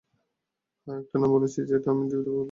হ্যাঁ, একটা নাম বলেছি যেটা আমি দ্বিতীয়বার বলতে চাই না।